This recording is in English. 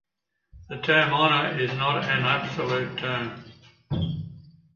The term honor is not an absolute term.